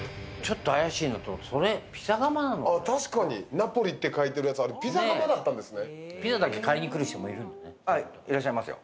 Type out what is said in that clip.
ナポリって書いてるやつ、ピザ窯だったんですね。